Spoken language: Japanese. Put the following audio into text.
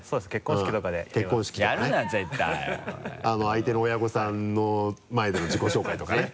相手の親御さんの前での自己紹介とかね。